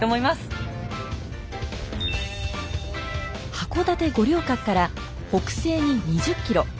函館五稜郭から北西に２０ｋｍ。